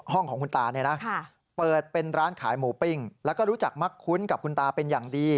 ของคุณตาเนี่ยนะเปิดเป็นร้านขายหมูปิ้งแล้วก็รู้จักมักคุ้นกับคุณตาเป็นอย่างดี